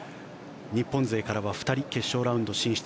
日本勢からは２人、決勝ラウンド進出。